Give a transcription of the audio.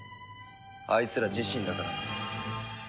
あいつら自身だからな。